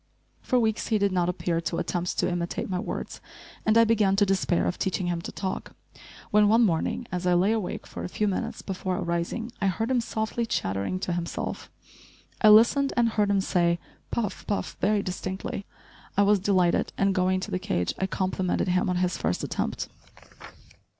For weeks he did not appear to attempt to imitate my words, and I began to despair of teaching him to talk, when one morning, as I lay awake for a few minutes before arising, I heard him softly chattering to himself. I listened and heard him say "Puff," "Puff," very distinctly. I was delighted and, going to the cage, I complimented him on his first attempt.